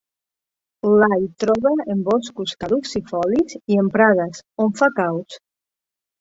La hi troba en boscos caducifolis i en prades, on fa caus.